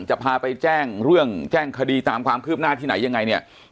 จะพาไปแจ้งเรื่องแจ้งคดีตามความคืบหน้าที่ไหนยังไงเนี่ย